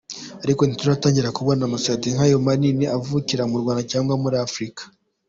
Ariko ntituratangira kubona amasosiyete nk’ayo manini avukira mu Rwanda cyangwa muri Afurika”.